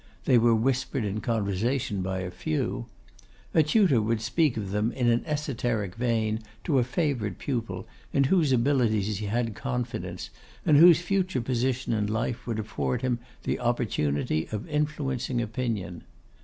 They were whispered in conversation by a few. A tutor would speak of them in an esoteric vein to a favourite pupil, in whose abilities he had confidence, and whose future position in life would afford him the opportunity of influencing opinion.